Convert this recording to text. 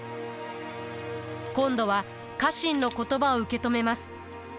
今度は家臣の言葉を受け止めます。